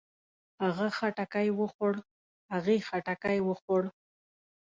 هغۀ خټکی وخوړ. هغې خټکی وخوړ.